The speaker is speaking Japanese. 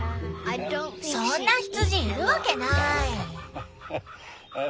そんな羊いるわけない！